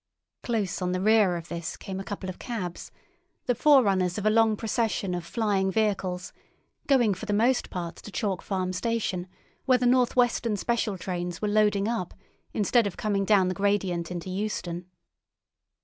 Close on the rear of this came a couple of cabs, the forerunners of a long procession of flying vehicles, going for the most part to Chalk Farm station, where the North Western special trains were loading up, instead of coming down the gradient into Euston.